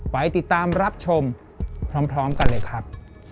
ไปติดตามรับชมพร้อมกันเลยครับ